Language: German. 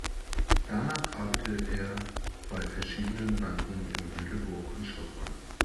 Danach arbeitete er bei verschiedenen Banken in Göteborg und Stockholm.